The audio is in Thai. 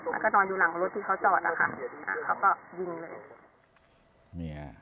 แล้วก็นอนอยู่หลังรถที่เขาจอดนะคะเขาก็ยิงเลยเนี่ย